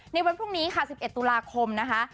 ในวันพรุ่งนี้ค่ะ๑๑ตุลาคมนะคะ